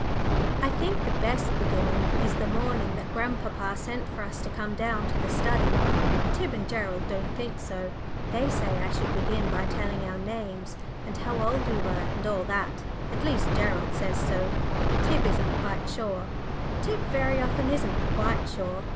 I think the best beginning is the morning that grandpapa sent for us to come down to the study. Tib and Gerald, don't think so. They say I should begin by telling our names, and how old we were, and all that at least, Gerald says so; Tib isn't quite sure. Tib very often isn't quite sure.